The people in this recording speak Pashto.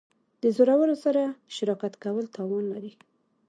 د زورورو سره شراکت کول تاوان لري.